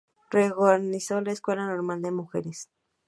Reorganizó la Escuela Normal de Mujeres.